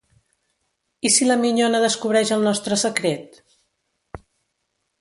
I si la minyona descobreix el nostre secret?